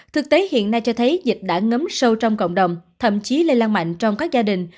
thực tế hiện nay cho thấy dịch đã ngấm sâu trong cộng đồng thậm chí lây lan mạnh trong các gia đình